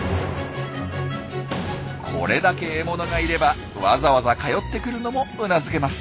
これだけ獲物がいればわざわざ通ってくるのもうなずけます。